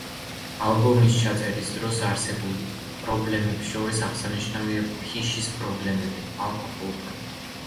ალბომის ჩაწერის დროს არსებულ პრობლემებს შორის აღსანიშნავია ფიშის პრობლემები ალკოჰოლთან.